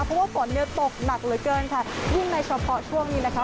เพราะว่าฝนเนี่ยตกหนักเหลือเกินค่ะยิ่งในเฉพาะช่วงนี้นะคะ